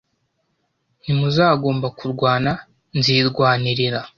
Ntimuzagomba kurwana nzirwanirira